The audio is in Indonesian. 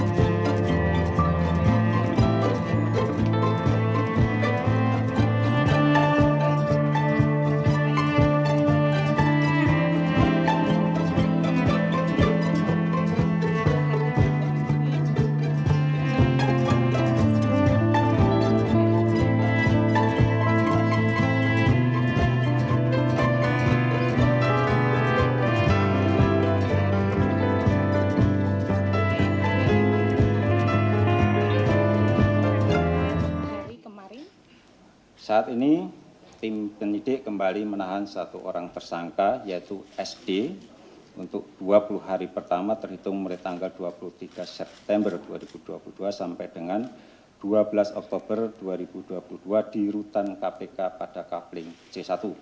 saat ini tim penyidik kembali menahan satu orang tersangka yaitu sd untuk dua puluh hari pertama terhitung dari tanggal dua puluh tiga september dua ribu dua puluh dua sampai dengan dua belas oktober dua ribu dua puluh dua di rutan kpk pada kapling c satu